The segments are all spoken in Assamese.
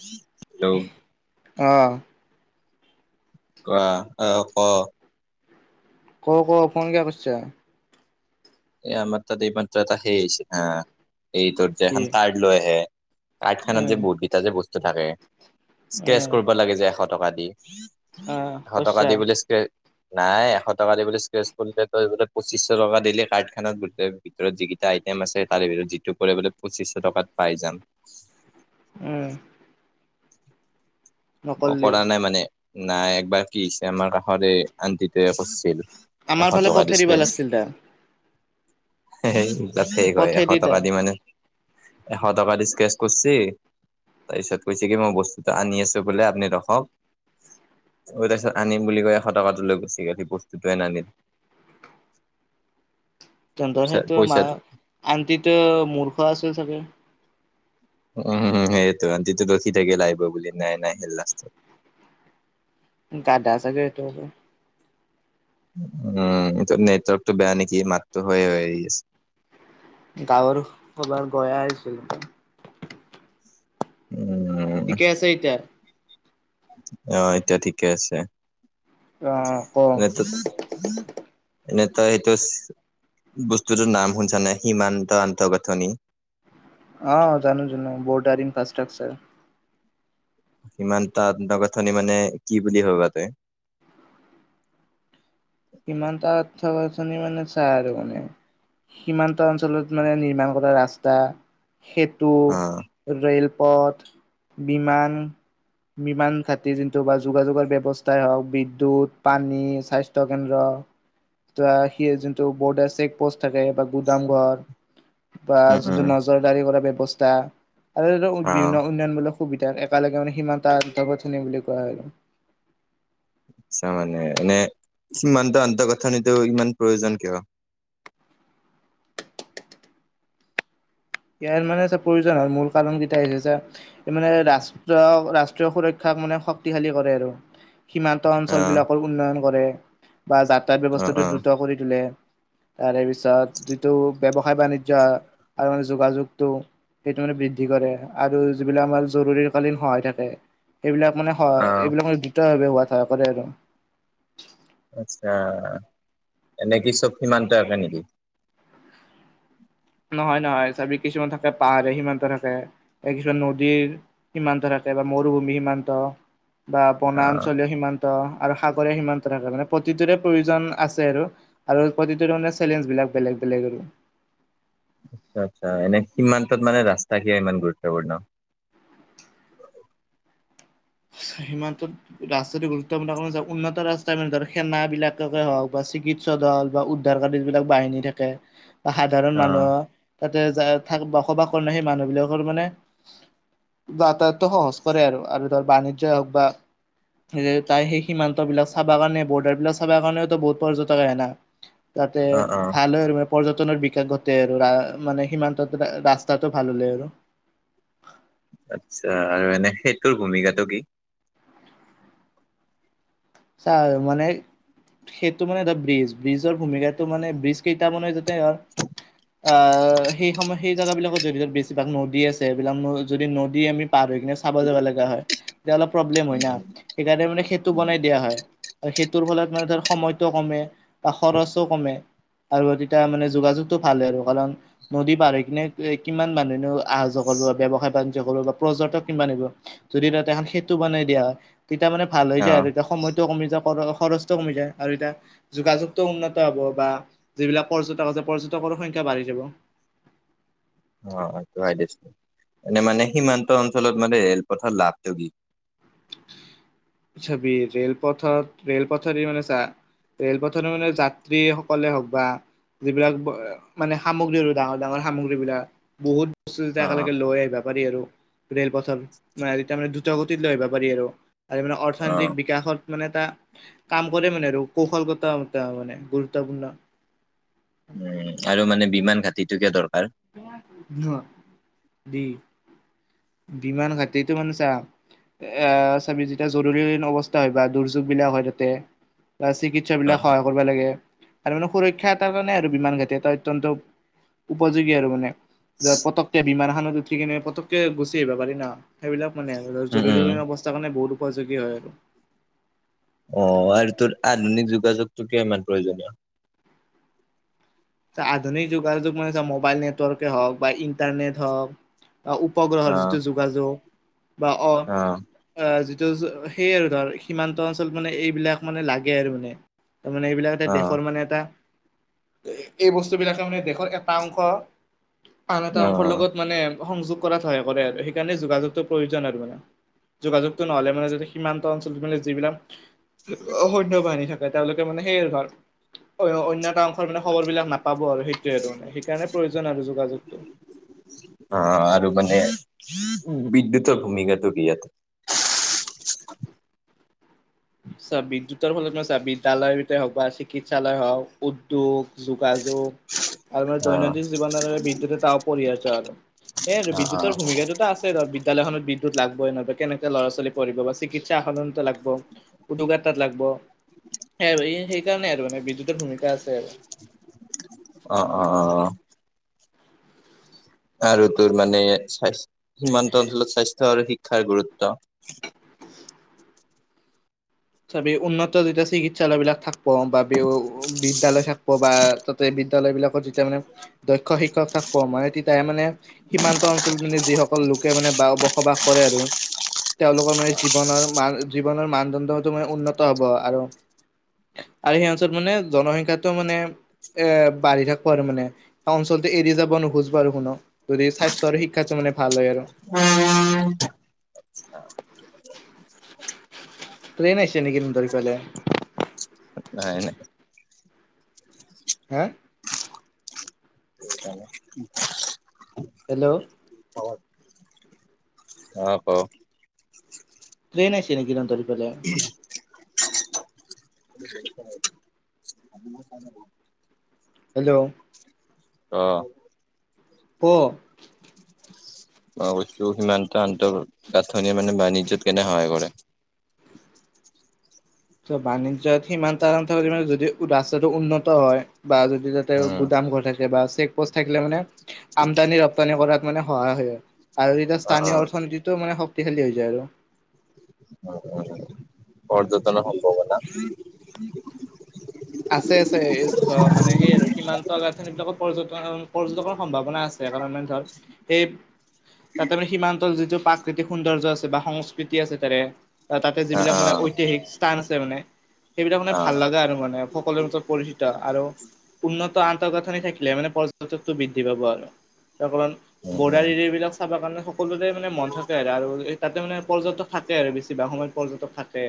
হেল্ল'। অ'। কোৱা? অ', ক'? ক' ক' ফোন কিয়া কৰছা? এই আমাৰ তাতে এইমাত্ৰ এটা সেই হৈছিল হা, এইটো যে কি এখন কাৰ্ড লৈ আহে, কাৰ্ড খনত উম যে বহুত কেইটা যে বস্তু থাকে? স্ক্ৰেচ উম কৰিব লাগে যে এশ টকা দি, আহ এশ টকা কৈছা দি বোলে স্ক্ৰে নাই এশ টকা দি বোলে স্ক্ৰেচ কৰিলে, তই বোলে পঁচিশহ টকা দিলে কাড খানত গোটে ভিতৰত যিকেইটা আইটেম আছে, তাৰে ভিতৰত যিটো পৰে বোলে পঁচিশহ টকাত পাই যাম। উম। মই নকলি কৰা নাই মানে, নাই একবাৰ কি হৈছে আমাৰ কাষৰে আণ্টিটোৱে কৰছিল। আমাৰ এশ ফালে টকা পঠাই দিবা দিছে। লাগিছিল দা সেই এইবিলাক ফেক হয়, পঠাই এশ দা টকা দি মানে এশ টকা দি ত্ৰেচ কৰছি, তাৰ পিছত কৈছে কি মই বস্তুটো আনি আছোঁ। বোলে আপুনি ৰখক। তাৰপিছত আনিম বুলি কৈ এশ টকাটো লৈ গুছি গ'ল, সি বস্তুটোৱে নানিলে। [unintelligible] তেন্তে সেইটো মা পইচাটো আন্টিতো মূৰ্খ আছিল চাগে। উম', উম' সেইটো আন্টিতো ৰখি থাকিল আহিব বুলি নাই নাই নাহিল লাষ্টত। গাধা ছাগে [unintelligible] উম, নেটৱৰ্কটো বেয়া নেকি মাতটো হয় হৈ আছে। গাঁৱৰ কবাৰ পৰাই আহিছিলোঁ। উম। ঠিকে আছে এতিয়া। অহ, এতিয়া ঠিকে আছে। অ ক [unintelligible] এনেই তই এইটো বস্তুটো নাম শুনিছানে? হিমানন্ত আন্তঃগথনি। অ', জানো, জানো বৰ্ডাৰিং ফ্ৰাষ্ট্ৰটাকচাৰ। ইমান তাত গাঁথনি মানে কি বুলি ভাবাতে? হিমানন্ত আন্তঃগাঁথনি মানে চা আৰু মানে। কিমানটা অঞ্চলত মানে নিৰ্মাণ কৰা ৰাস্তা খ অহ',। ৰেলপথ বিমান। বিমান ঘাটি যোনটো বা যোগাযোগৰ ব্যৱস্থাই হওঁক বিদ্যুত পানী স্বাস্থ [unintelligible] কেন্দ্ৰ। প্ৰায় সি যোনটো বৰ্ডাৰ চেক পোষ্ট থাকে বা গুদাম ঘৰ। বা উম উম যোনটো নজৰদাৰি কৰা ব্যৱস্থা আৰু ধ [unintelligible] অ বিভিন্ন উন্নয়নমূলক সুবিধাত একেলগে মানে সিমান তাত বুলি [unintelligible] কোৱা হয়, আৰু। আচ্ছা মানে, এনে সিমান্ত আন্তঃগথনিতো ইমান প্ৰয়োজন কিয়? ইয়াৰ মানে এটা প্ৰয়োজন হয়, মূল কাৰণকেইটা [unintelligible] মানে ৰাষ্ট্ৰ-ৰাষ্ট্ৰীয় সুৰক্ষাক মানে শক্তিশালী কৰে আৰু। সীমান্ত অ', অঞ্চলবিলাকৰ উন্নয়ন কৰে বা যাতাত অ', ব্যৱস্থাটো অ'। দ্ৰুত কৰি তোলে। তাৰে পিছত যিটো ব্যৱসায়, বাণিজ্য আৰু যোগাযোগটো সেইটো মানে বৃদ্ধি কৰে, আৰু যিবিলাক আমাৰ জৰুৰীকালীন সহায় থাকে। সেইবিলাক মানে স অ', এইবিলাক মানে দ্ৰুত ভাৱে হোৱ সহায় কৰে আৰু। আচ্ছা, এনে কি, চব সীমান্ত একে, নেকি? নহয়, নহয় চাবি কিছুমান থাকে পাহাৰে সিমান্ত থাকে, এ কিছুমান নদীৰ সীমান্ত থাকে, বা মৰুভূমি সীমান্ত বা বনা অ'। অঞ্চলীয় সীমান্ত। আৰু সাগৰীয় সীমান্ত থাকে, মানে প্ৰতিটোৰে প্ৰয়োজন আছে আৰু। আৰু প্ৰতিটো ধৰনে চেলেঞ্জ বিলাক বেলেগ, বেলেগ আৰু। আচ্ছা, আচ্ছা, এনে সীমান্তত মানে ৰাস্তা কিয় ইমান গুৰুত্বপূৰ্ণ? সীমান্তত। ৰাস্তাটো গুৰুত্বপূৰ্ণ, উন্নত ৰাস্তা মানে ধৰ, সেনা বিলাকে হওক বা চিক চিকিৎসক দল বা উদ্ধাৰকাৰ যিবিলাক বাহিনী থাকে, বা সাধাৰণ অ', মানুহৰ তাতে যায় থাক, বসবাস কৰে, ন, সেই মানুহবিলাকৰ মানে যাতায়াতো সহজ কৰে আৰু, আৰু ধৰ বানিজ্য হওক বা তাৰ, সেই সীমান্ত বিলাক চাব কাৰণে, বৰ্ডাৰ বিলাক চাব কাৰণেও বহুত পৰ্যটক আহে, না। তাতে অ', অ'। ভাল [unintelligible] পৰ্যটনৰ বিকাশ ঘটে আৰু, ৰা মানে সীমান্তত ৰাস্তাটো ভাল হলে আৰু। আচ্ছ আৰু এনে, সেইটোৰ ভূমিকাটো কি? চা মানে সেইটো মানে এটা ব্ৰিজ, ব্ৰিজৰ ভূমিকাটো মানে ব্ৰিজ কেইটা, বনাই যাতে ধৰ আহ, সেই সময়ত, সেই জেগাবিলাকত যদি বেছিভাগ নদী আছে, সেইবিলাক যদি নদী আমি তাত ৰৈ কেনে চাব যাব লগা হয়, তেতিয়া অলপ প্ৰব্লেম হয় না, সেইকাৰণে মানে সেইটো বনাই দিয়া হয়, আৰু সেইটোৰ ফলত মানে ধৰ, সময়তটো কমে, বা খৰচো কমে। আৰু তেতিয়া মানে যোগাযোগটো ভাল হয় আৰু কাৰণ নদী পাৰ হৈ কিনে, কিমান মানুহেনো অহা-যোৱা কৰিব বা ব্যৱসায়-বাণিজ্য কৰিব বা পৰ্যটক কিমান হ'ব। যদি তাতে, এখন সেইটো বনাই দিয়া হয়, তেতিয়া মানে ভাল হৈ যায় অ', আৰু। এতিয়া সময়টো কমি যায়, খৰচটো কমি যায়। আৰু এতিয়া যোগাযোগটো উন্নত হ'ব বা যিবিলাক পৰ্যটক আছে, পৰ্যটকৰ সংখ্যা বাঢ়ি যাব। অ', হৈ, দিছো, এনে, মানে সীমান্ত অঞ্চলত মানে ৰেলপথত লাভটো কি? [inaudible] চাবি ৰে'ল পথত, ৰে'ল পথৰ দি মানে চা ৰে'লপথত মানে যাত্ৰী সকলে হওক বা যিবিলাক মানে সামগ্ৰী, আৰু ডাঙৰ, ডাঙৰ সামগ্ৰী বিলাক বহুত বস্তু যেতিয়া অ', একেলগে লৈ আহিবা পাৰি আৰু, ৰে'ল পথত তাৰমানে দুৰ্ত গতিত লৈ আহিবা পাৰি আৰু। আৰু মানে অ'। অৰ্থনৈতিক বিকাশত মানে এটা কাম কৰে, মানে আৰু কৌশলগতা মানে গুৰুত্বপূৰ্ণ। উম, আৰু মানে বিমান ঘাটিটো কিয় দৰকাৰ? অ', দি বিমান ঘাটিটো মানে, চা এ, চাবি যেতিয়া, জৰুৰীালীন অৱস্থা হয়, বা দুৰ্যোগ বিলাক হয়, তাতে বা চিকি স্য বিলাক অ', সহায় কৰিব লাগে, ত, মানে সুৰক্ষা এটা কাৰণে, আৰু বিমান ঘাটি এটা অত্যন্ত উপযোগী আৰু মানে। ধৰ, পতকে বিমান এখনত উঠি কিনে, পতকে গুচি আহিব পাৰি ন, সেইবিলাক মানে উম, উম। জৰুৰীকালীন অৱস্থা কাৰণে, বহুত উপযোগী হয় আৰু। অ', আৰু তোৰ আধুনিক যোগাযোগটো কিয় ইমান প্ৰয়োজনীয়? আধুনিক যুগা যুগ মান যে মোবাইল নেটৱৰ্কে হওক বা ইণ্টাৰনেট হওক বা উপগ্ৰহৰ অ', যিটো যোগাযোগ বা অ অ যিটো সেই আৰু ধৰ সীমান্ত অঞ্চলত মানে এইবিলাক মানে লাগে আৰু মানে। তাৰমানে এইবিলাক এ অ', দেশৰ মানে এটা এই বস্তুবিলাকে মানে দেশৰ এটা অংশ আন এটা অংশৰ অ', লগত মানে সংযোগ কৰাত সহায় কৰে আৰু সেইকাৰণে যোগাযোগটো প্ৰয়োজন আৰু মানে। যোগাযোগটো নহ'লে মানে সীমান্ত অঞ্চলটো মানে যিবিলাক সৈন্য বাহিনী থাকে তেওঁলোকে মানে সেই ঘৰ অন্য এটা অংশৰ মানে খবৰবিলাক নাপাব আৰু সেইটোৱে আৰু মানে সেইকাৰণে প্ৰয়োজন আৰু যোগাযোগটো অ আৰু মানে বিদ্যুতৰ ভূমিকাটো কি ইয়াত? চোৱা বিদ্যুতৰ ফলত নহয় চোৱা বিদ্যায়ালয়তে হওক বা চিকিৎসালয় হওক, উদ্যোগ, যোগাযোগ [inaudible] আৰু মানে অ', দৈনন্দিন জীৱনৰ বাবে বিদ্যুত এটা অপৰিহাৰ্য আৰু। এটো অ', অ', বিদ্যুতৰ সুবিধাটোত আছে আৰু বিদ্যালয়খনত বিদ্যুত লাগবই ন কেনেকে ল'ৰা ছোৱালী পঢ়িব বা চিকিৎসা সন লাগব। উদ্যোগ এটাত লাগব, সেই আৰু সেইকাৰণে আৰু মানে বিদ্যুতৰ ভূমিকা আছে আৰু। অ অ অ অ। আৰু তোৰ মানে স্ব্থ সীমান্ত অঞ্চলত স্বাস্থ্য আৰু শিক্ষাৰ গুৰুত্ব। তাপি উন্নত যেতিয়া চিকিৎসালয়বিলাক থাকিব বা বিদ্যালয় থাক বা তাতে বিদ্যালয়বিলাকত যেতিয়া মানে দক্ষ শিক্ষক থাকিব মানে তেতিয়া মানে সীমান্ত অঞ্চলত মানে যিসকল লোকে মানে বা বসবাস কৰে আৰু। তেওঁলোকৰ মানে জীৱনৰ মান জীৱনৰ মানদণ্ডটো মানে উন্নত হব আৰু আৰু সেই অঞ্চলত মানে জনসংখ্যাটো মানে এ বাঢ়ি থাকব আৰু মানে। অঞ্চলটো এৰি যাব নোখোজব আৰু কোন যদি স্বাস্থ আৰু শিক্ষাতটো মানে ভাল হয় আৰু। প্লেন আইছে নক কি তহঁতৰ ইফালে? নাই নাই। হা [inaudible] হেল্ল' অ ক। ট্ৰেইন আইছে নেকি তহঁতৰ ইফালে? [unintelligible] হেল্ল' অ ক বস্তু সিমান্ত আন্তঃগাঁথনিয়ে মানে বাণিজ্যত কেনে সহায় কৰে? ত বাণিজ্যত সিমান্ত [unintelligible] যদি ৰাস্তাটো উন্নত হয়। বা যদি তাতে উম, গুদাম ঘৰ থাকে বা চেক প'ষ্ট থাকিলে মানে আমদানি ৰপ্তানি কৰাত মানে সহায় হয় আৰু। আৰু এতিয়া অ', স্থানীয় অৰ্থনীতিটো মানে শক্তিশালী হৈ যায় আৰু। উ উ উ পৰ্যতন সম্ভাৱনা আছে আছে ধ মানে সেই আৰু সীমান্ত গঠনিবিলকত পৰযটন পৰ্যটকৰ সম্ভাৱনা আছে। সেইকাৰণ ধৰ সেই তাতে মানে সীমান্তৰ যিটো প্ৰাকৃতিক সৌন্দৰ্য আছে বা সংস্কৃতি আছে তাৰে অ তাতে অ', যিবিলাক মানে অ', ঐতিহাসিক স্থান আছে মানে সেইবিলাক মানে ভাল অ', লাগা আৰু মানে, সকলোৰে ওচৰত পৰিচিত আৰু উন্নত আন্তঃগাঁথনি থাকিলে মানে পৰ্যটকটো বৃদ্ধি পাব আৰু, তাৰপণ উম, বৰ্ডাৰ উম, এৰিয়া এই বিলাক চাবৰ কাৰণে সকলোৰে মানে মন থাকে আৰু আৰু তাতে মানে পৰ্যটক, থাকে আৰু বেছিভাগ সময়ত পৰ্যটক থাকে।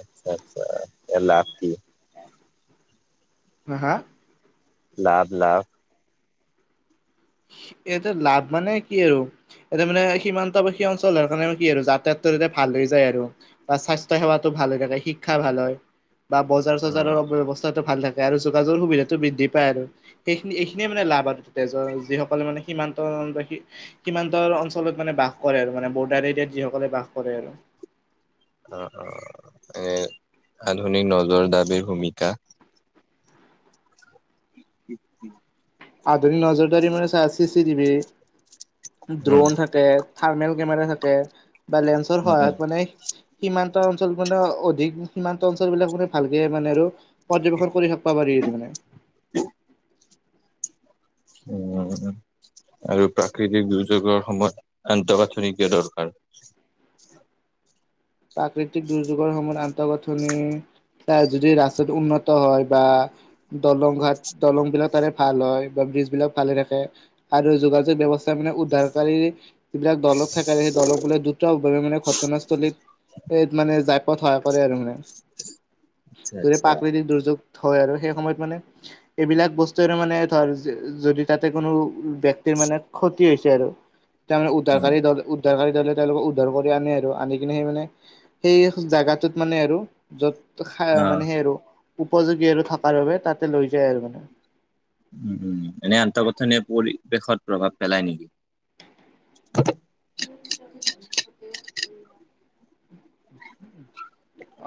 আচ্চ্ছা আচ্ছা। এলাহ কু, হা হা, লাভ লাভ ইয়াতে লাভ মানে কি আৰু, এতিয়া মানে সীমান্তবাসী অঞ্চল হৰ কাৰণে কি আৰু যাতায়াত এতে ভাল হৈ যায় আৰু, বা স্বাস্থ্য সেৱাতো ভাল হৈ থাকে শিক্ষা ভাল হয়। বা বজাৰ উম, চজাৰৰ ব্যৱস্থাটো ভাল থাকে আৰু যোগাযোগৰ সুবিধাটো বৃদ্ধি পায় আৰু, সেইখিনি এইখিনিয়ে মানে লাভ আৰু তেজৰ যিসকলে মানে সীমান্ত বাখি, সীমান্তৰ অঞ্চলত মানে বাস কৰে আৰু মানে বৰ্ডাৰ এৰিয়াত যিসকলে বাস কৰে আৰু, অ অ [unintelligible] আধুনিক নজৰ দাবীৰ ভূমিকা, আধুনিক নজৰ দাৰি মানে চা চি যিবি, উম, ড্ৰোন থাকে থাৰ্মেল কেমেৰা থাকে বা লেন্ঞ্চৰ উম, উম, সহায়ত মানে, সীমান্ত অঞ্চল মানে অধিক সীমান্ত অঞ্চল বিলাক মানে ভালকে মানে আৰু, পৰ্যবেক্ষণ কৰি থাকিবা পাৰি আৰু মানে, [unintelligible] আৰু প্ৰাকৃতিক দুৰ্যোগৰ সময়ত আন্তঃগাঁথনি কিয় দৰকাৰ? প্ৰাকৃতিক দুৰ্যোগৰ সময়ত আন্তঃগাঁথনি। এয়া যদি ৰাস্তাতটো উন্নত হয় বা, দলং ঘাট দলং বিলাক তাৰে ভাল হয় বা ব্ৰিজবলাক ভালে থাকে, আৰু যোগাযোগ ব্যৱস্থা মানে উদ্ধাৰকাৰী, যিবিলাক দলত থাকে সেই দলক বোলে দুটাভাৱে মানে ঘটনাস্থলীত, স মানে জাইপথ সহায় কৰে আৰু মানে আচ্ছা ধৰে আচ্ছা প্ৰাকৃতিক দুৰ্যোগ, হয় আৰু সেই সময়ত মানে, এইবিলাক বস্তুৰে মানে ধৰ যদি তাতে কোনো ব্য়ক্তিৰ মানে ক্ষতি হৈছে আৰু, [inaudible] তাৰমানে অ', উদ্ধাৰকাৰী দ উদ্ধাৰকাৰী দলে তেওঁলোকক উদ্ধাৰ কৰি আনে আৰু আনি কিনে সেই মানে, সেই জাগাটোত মানে আৰু য'ত অ', মানে সেই আৰু, উপযোগী আৰু থকাৰ বাবে তাতে লৈ যায় আৰু, উম এনে আন্তঃগথনিৰ পৰিৱেশত প্ৰভাৱ পেলাই নেকি?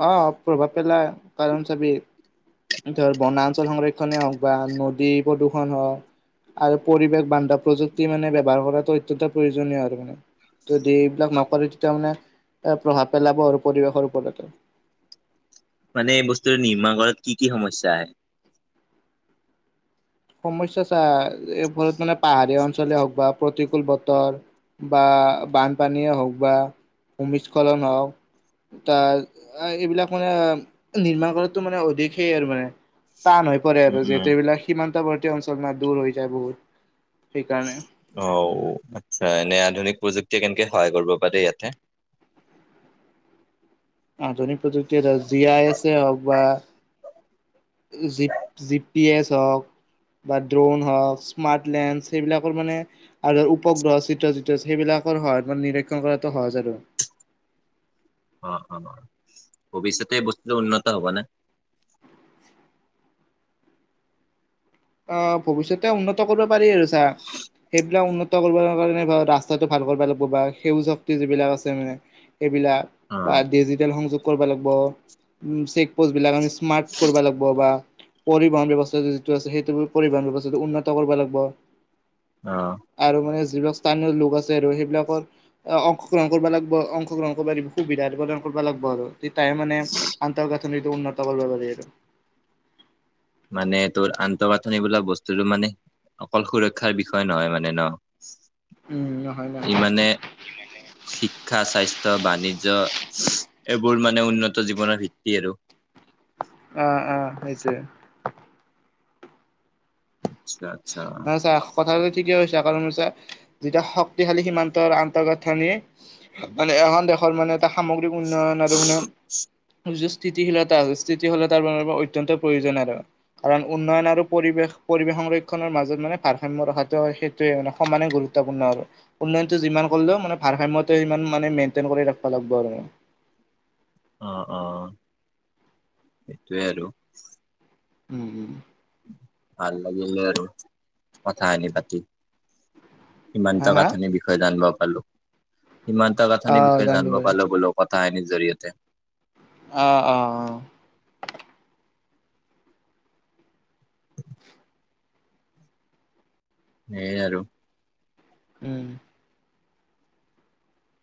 অ প্ৰভাৱ পেলাই কাৰণ চাবি, ধৰ বনাঞ্চল সংৰক্ষণেই হওক বা নদী প্ৰদূৰণ হওক, আৰু পৰিৱেশ বান্ধা প্ৰযুক্তি মানে ব্যয়ৱাৰ কৰাটো অত্যন্ত প্ৰয়োজনীয় আৰু, যদি এইবিলাক নকৰে তেতিয়া মানে এ প্ৰভাৱ পেলাব আৰু পৰিৱেশৰ ওপৰতে, মানে এই বস্তুৰ নিৰ্মান কৰাত কি কি সমস্যা আহে? সমস্যা চা এই ফৰত মানে পাহাৰীয়া অঞ্চলে হওক বা প্ৰতিকূুল বতৰ, বা বানপানীয়ে হওক বা ভূমিস্খলন হওক, তাৰ এইবিলাক মানে নিৰ্মাণ কৰাটো মানে অধিক সেই আৰু মানে, টান হৈ পৰে উম, আৰু উম, যিহেতু এইবিলাক সীমান্তৱৰ্তী অঞ্চল ন, দূৰ হৈ যায় বহুত, সেইকাৰণে। অ', আচ্ছা, এনে আধুনিক প্ৰযুক্তিয়ে কেনেকে সহায় কৰিব পাৰে ইয়াতে? আধুনিক প্ৰযুক্তি এটা জি আৰ এছেই হওঁক বা জিপ-জি পি এছ হওঁক বা ড্ৰোন হওঁক, স্মাৰ্ট লেন্স, সেইবিলাকৰ মানে আৰু উপগ্ৰহৰ চিত্ৰ-চিত্ৰ সেইবিলাকৰ সহায়ত মানে নিৰীক্ষণ কৰাটো সহজ আৰু। অ' অ', ভৱিষ্যতে এই বস্তুটো উন্নত হ'ব নে? অ', ভৱিষ্যতে উন্নত কৰিব পাৰি আৰু চা সেইবিলাক উন্নত কৰিব কাৰণে ৰাস্তাটো ভাল কৰিব লাগিব বা সেউজ শক্তি যিবিলাক আছে মানে এইবিলাক বা অ'। ডিজিটেল সংযোগ কৰিব লাগিব, উম, চে'কপ'ষ্ট বিলাক, আমি স্মাৰ্ট কৰিব লাগিব বা পৰিবহন ব্যৱস্থাটো যিটো আছে সেই পৰিবহন ব্যৱস্থাটো উন্নত কৰিব লাগিব। অ'। আৰু মানে যিবিলাক স্থানীয় লোক আছে আৰু সেইবিলাকৰ অংশগ্ৰহণ কৰিব লাগিব, অংশগ্ৰহণ কৰিব লাগিব সুবিধা প্ৰদান কৰিব লাগিব আৰু। তেতিয়াই মানে আন্তঃগাঁথনিটো উন্নত কৰিব পাৰি আৰু। মানে তোৰ আন্তঃগাঁথনি বোলা বস্তুটো মানে অকল সুৰক্ষাৰ বিষয় নহয় মানে ন, উম নহয় নহয় ই মানে শিক্ষা, স্বাস্থ্য, বাণিজ্য, এইবোৰ মানে উন্নত জীৱনৰ ভিত্তি আৰু। অ' অ', সেইটোৱেই। আচ্ছা আচ্ছা মানে চা কথাটোটো ঠিকেই কৈছা, কাৰণ হৈছে যেতিয়া শক্তিশালী সীমান্তৰ আন্তঃগাঁথনি মানে এখন দেশৰ মানে এটা সামগ্ৰিক উন্নয়ন আৰু উন্নয়ন জুচ স্থিতিশীলতা আছে, স্থিতিশীলতাৰ বাবে অত্যন্ত প্ৰয়োজন আৰু কাৰণ উন্নয়ন আৰু পৰিৱেশ-পৰিৱেশ সংৰখ খনৰ মাজত মানে ভাৰসাম্য ৰখাটো সেইটোৱেই, মানে সমানে গুৰুত্বপূৰ্ণ আৰু উন্নয়নটো যিমান কৰিলেও মানে ভাৰসাম্যটো সিমান মানে মেইনটেইন কৰি ৰাখিব লাগিব আৰু। অ' অ', সেইটোৱে আৰু। উম উম। ভাল লাগিলে আৰু কথাখিনি পাতি। সীমান্ত হা হা গাঁথনিৰ বিষয়ে জানিব পাৰিলোঁ সীমান্ত অ গাঁথনিৰ বিষয়ে জান জানিব পাৰিলোঁ বুলো কথাখিনিৰ জৰিয়তে। অ' অ' অ'। সেইয়েই আৰু। উম।